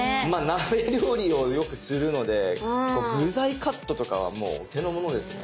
鍋料理をよくするので具材カットとかはもうお手の物ですね。